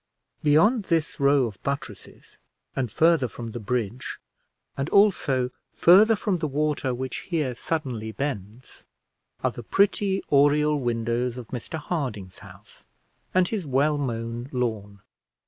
Beyond this row of buttresses, and further from the bridge, and also further from the water which here suddenly bends, are the pretty oriel windows of Mr Harding's house, and his well mown lawn.